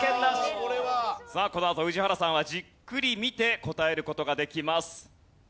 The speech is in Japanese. さあこのあと宇治原さんはじっくり見て答える事ができます。